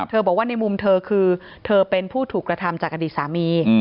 บอกว่าในมุมเธอคือเธอเป็นผู้ถูกกระทำจากอดีตสามี